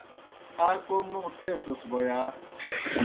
آ کوْم موں تھیسِس بوْ یا؟